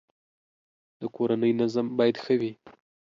د کورنی نظم باید ښه وی